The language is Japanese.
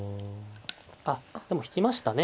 あっでも引きましたね。